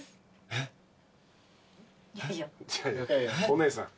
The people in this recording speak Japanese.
お姉さん。